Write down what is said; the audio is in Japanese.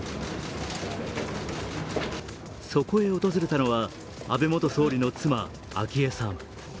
そこへ訪れたのは安倍元総理の妻・昭恵さん。